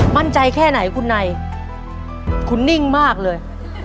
มั่นใจแค่ไหนคุณในคุณนิ่งมากเลย